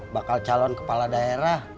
bakal calon kepala daerah